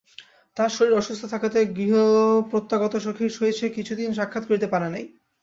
তাহার শরীর অসুস্থ থাকাতে গৃহপ্রত্যাগত সখীর সহিত সে কিছুদিন সাক্ষাৎ করিতে পারে নাই।